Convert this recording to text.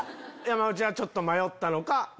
山内はちょっと迷ったのかＢ。